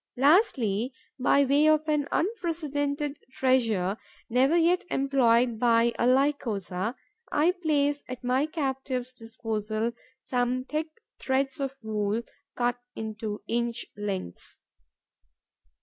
Lastly, by way of an unprecedented treasure, never yet employed by a Lycosa, I place at my captives' disposal some thick threads of wool, cut into inch lengths.